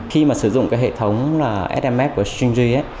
khi mà sử dụng cái hệ thống sms của stringys